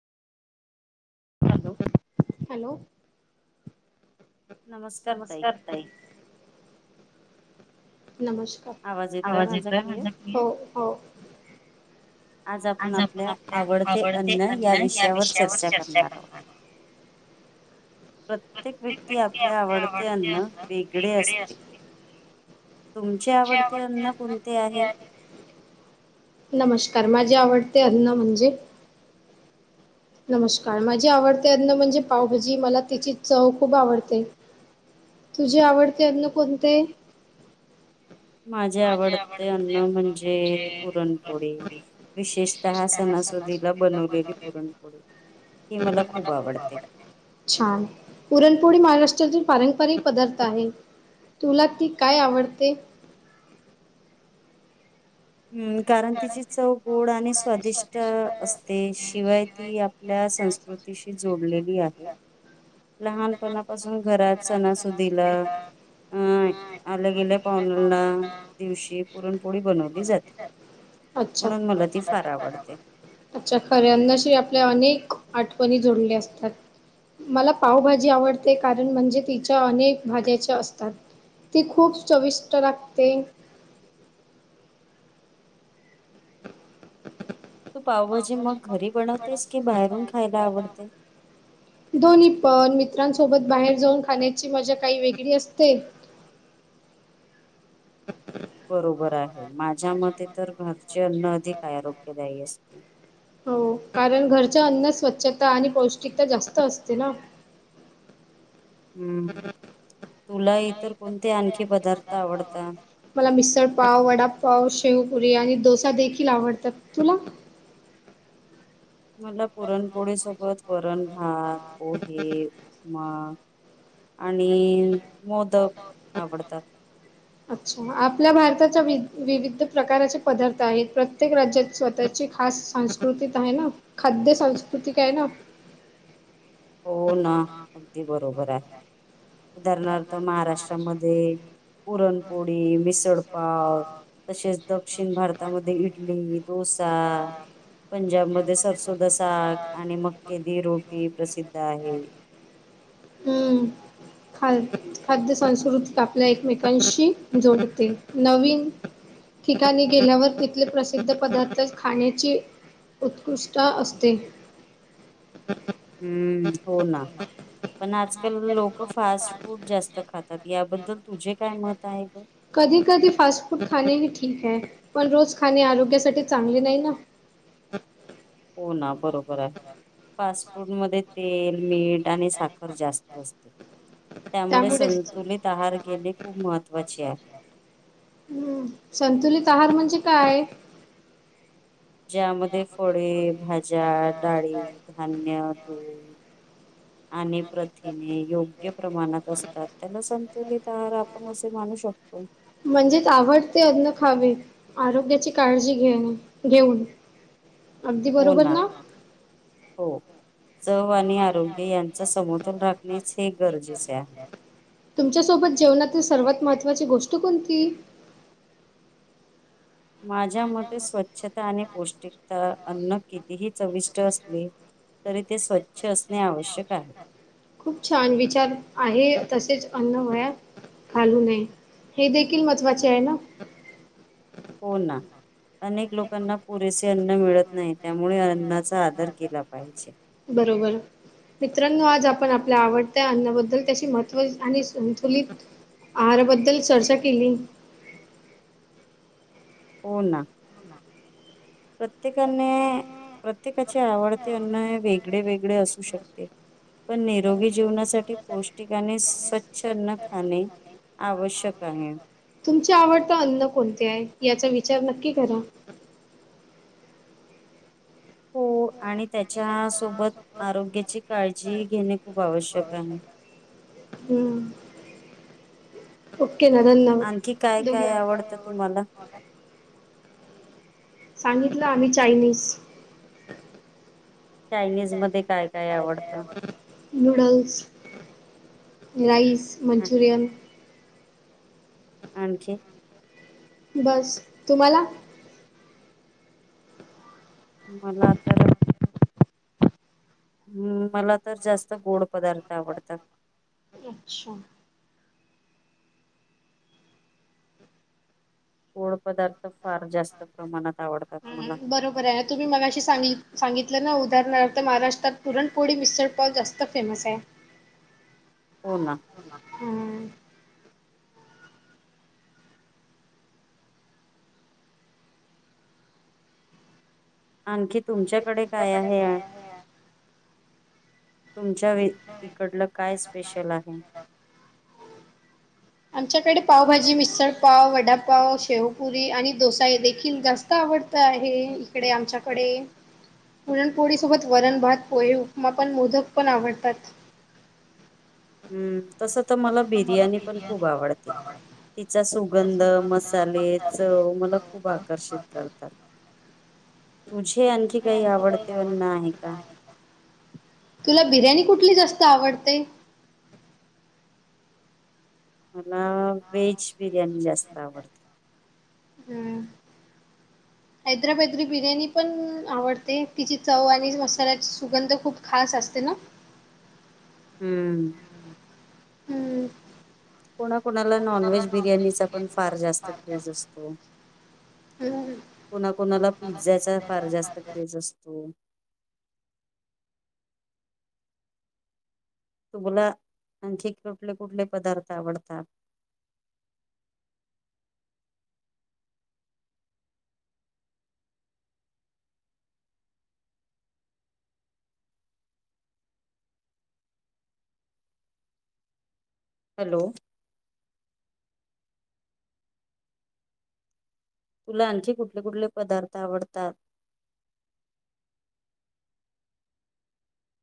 Hello hello नमस्कार ताई नमस्कार, आवाज येतोय माझ्या का? हो हो आज आपण आपल्या आवडते अन्न या विषयावर चर्चा करणार आहोत प्रत्येक व्यक्ती आपले आवडते अन्न वेगळे असते, तुमचे आवडते अन्न कोणते आहे? नमस्कार माझे आवडते ते अन्न म्हणजे नमस्कार माझे आवडते अन्न म्हणजे पावभाजी, मला तिची चव खूप आवडते, तुझे आवडते अन्न कोणते? माझे आवडते अन्न म्हणजे पुरणपोळी विशेषतः सणासुदीला बनवलेली पुरणपोळी ही मला खूप आवडते छान पुरणपोळी महाराष्ट्र पारंपरिक पदार्थ आहे, तुला ती काय आवडते हम्म, कारण तिची चव गोड आणि स्वादिष्ट असते, शिवाय ती आपल्या संस्कृतीशी जोडलेली आहे लहानपणापासून घरात सणासुदीला अं आलं गेल्या पाहुण्यांना दिवशी पुरणपोळी बनवली जाते अच्छा, म्हणून मला ती फार आवडते. अच्छा, खरे अन्नशी आपल्या अनेक आठवणी जोडले असतात, मला पावभाजी आवडते कारण म्हणजे तिच्या अनेक भाज्याच्या असतात, ती खूप चविष्ट लागते तू पावभाजी मग घरी बनवतेस की बाहेरून खायला आवडते? दोन्ही पण मित्रांसोबत बाहेर जाऊन खाण्याची मजा काही वेगळी असते बरोबर आहे, माझ्या मते तर घरचे अन्न अधिक आरोग्यदायी असते हो कारण घरच्या अन्न स्वच्छता आणि पौष्टिकता जास्त असतेना हम्म तुला इतर कोणते आणखी पदार्थ आवडतात मला मिसळ पाव, वडापाव, शेवपुरी आणि डोसा देखील आवडतात. तुला? मला पुरणपोळी सोबत वरण भात, पोहे, उपमा आणि मोदक आवडतात. अच्छा आपल्या भारताच्या विविध प्रकारचे पदार्थ आहेत, प्रत्येक राज्यात स्वतःची खास संस्कृतीत आहे ना, खाद्य सांस्कृतिक आहे ना. हो ना, अगदी बरोबर आहे उदाहरणार्थ महाराष्ट्रामध्ये पुरणपोळी, मिसळपाव तसेच दक्षिण भारतामध्ये इडली, डोसा पंजाबमध्ये सरसोदा साग आणि मक्केदी रोटी प्रसिद्ध आहे हम्म. खा खाद्य संस्कृती आपल्या एकमेकांशी जोडते, नवीन ठिकाणी गेल्यावर तिथले प्रसिद्ध पदार्थ खाण्याची उत्कृष्ट असते हम्म हो ना. पण आजकाल लोक फास्ट फूड जास्त खातात. याबद्दल तुझे काय मत आहे? कधी कधी फास्ट फूड खाणे हे ठीक आहे. पण रोज खाणे आरोग्यासाठी चांगले नाही ना. हो ना बरोबर आहे. फास्ट फूड मध्ये तेल, मीठ. साखर जास्त असते त्यामुळे त्यामुळेच संतुलित आहार गेणे खूप महत्वाचे आहे. हम्म, संतुलित आहार म्हणजे काय? ज्यामध्ये फळे, भाज्या, डाळी, धान्य, दूध. आणि प्रथिने योग्य प्रमाणात असतात त्यांना संतुलित. तर आपण असे माणू शकतो. म्हणजेच आवडते अन्न खावे आरोग्याची काळजी घेणे घेऊन. अगदी बरोबर ना? हो चव आणि आरोग्य. यांचा समतोल राखणेच. ते गरजेचे आहे. तुमच्यासोबत जेवणातील सर्वात महत्त्वाची गोष्ट कोणती? माझ्या म स्वच्छता आणि पौष्टिकता. अन्न कितीही चविष्ट असले तरी ते स्वच्छ अस खूप छान विचार आहे. तसेच अन्न वया घालू नये. हे देखील महत्वाचे आहे ना? होना. अनेक लोकांना पुरेसे. अन्न मिळत नाही. त्यामुळे अन्नाचा आदर केला पाहिजे. बरोबर मित्रांनो आज आप आपल्या आवडत्या अन्नाबद्दल त्याशी महत्त्व आणि संतुलित आहाराबद्दल चर्चा केली. हो ना. प्रत्येकाने प्रत्येकाचे आवडते अन्न हे वेगळे वेगळे असू शकते. पण निरोगी जीवनासाठी पौष्टिक आणि स्वच्छ अन्न खाणे आवश्यक आहे. तुमचे आवडते अन्न कोणते आहे याचा नक्की करा. हो आणि त्याची सोबत आरोग्याची काळजी. जी घेणे. खूप आवश्यक आहे. हम्म. हो. ओक ना धन्यवाद. आणखी काय काय आवडतं तुम्हाला? सांगितलं आम्ही चायनीज. चायनीज मध्ये काय काय आवडतं? नूडल्स, राईस हा, मंचुरियन आणखी बस तुम्हाला मला तर हम्म मला तर जास्त गोड पदार्थ आवडतात अच्छा. गोड पदार्थ फार जास्त प्रमाणात आवडतात मला हम्म बरोबर आहे. तुम्ही मगाशी सांगि सांगितलं उदाहरणार्थ महाराष्ट्रात पुरणपोळी, मिसळ पाव जास्त फेमस आहे हो ना हम्म आणखी तुमच्याकडे काय आहे तुमच्या इकडलं काय स्पेशल आहे आमच्याकडे पावभाजी, मिसळ पाव, वडापाव, शेवपुरी आणि दोसा देखील जास्त आवडत आहे इकडे आमच्याकडे पुरणपोळी सोबत वरण, भात, पोहे, उपमा पण मोदक पण आवडतात हम्म तस तर मला बिर्याणी पण खूप आवडते तिचा सुगंध मसाले चव मला खूप आकर्षित करतात, तुझे आणखी काही आवडते अन्नआहे का तुला बिर्याणी कुठली जास्त आवडते? मला व्हेज बिर्याणी जास्त आवडते हम् हैद्राबाद्री बिर्याणी पण आवडते, तिची चव आणि मसाल्याची सुगंध खूप खास असते ना हम्म, हम्म कोणा कोणाला नॉनव्हेज बिर्याणीचा पण फार जास्त क्रेज असतो, हम्म. कोणा कोणाला पिझ्झाचा फार जास्त क्रेज असतो. तुम्हाला आणखी कुठले कुठले पदार्थ आवडतात. हॅलो तुला आणखी कुठले कुठले पदार्थ आवडतात.